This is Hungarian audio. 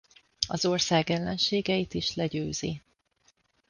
Az ország ellenségeit is legyőzi.